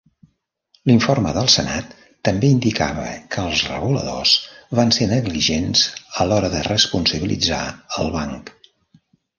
L'informe del Senat també indicava que els reguladors van ser negligents a l'hora de responsabilitzar el banc.